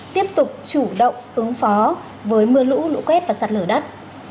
tiếp tục chủ động ứng phó với mưa lũ lũ quét và sạt lở đất